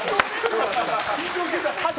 緊張してた？